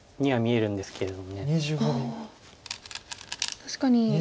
確かに。